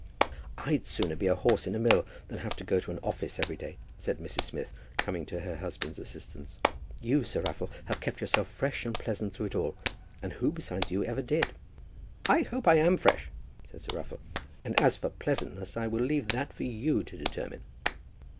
"I'd sooner be a horse in a mill than have to go to an office every day," said Mrs. Smith, coming to her husband's assistance. "You, Sir Raffle, have kept yourself fresh and pleasant through it all; but who besides you ever did?" "I hope I am fresh," said Sir Raffle; "and as for pleasantness, I will leave that for you to determine."